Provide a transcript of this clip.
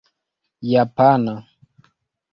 japana